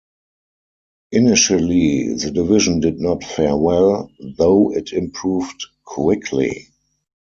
Initially, the division did not fare well, though it improved quickly.